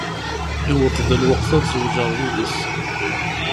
Iwweḍ-d lweqt ad zewǧeɣ yid-s.